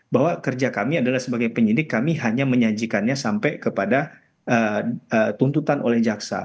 bahwa kerja kami adalah sebagai penyidik kami hanya menyajikannya sampai kepada tuntutan oleh jaksa